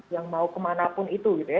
yang mau kemana pun itu gitu ya